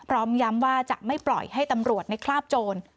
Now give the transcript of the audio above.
พร้อมย้ำว่าจะไม่ปล่อยให้ตำรวจในคราบโจร